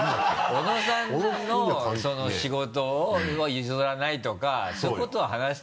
小野さんの仕事を譲らないとかそういうことは話してないから。